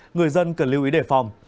người dân cần lưu ý đề phòng